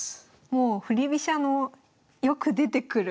もう振り飛車のよく出てくる。